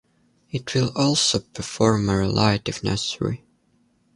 It will also perform a relight if necessary.